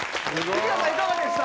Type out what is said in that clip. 西畑いかがでした？